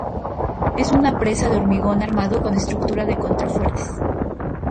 Es una presa de hormigón armado con estructura de contrafuertes.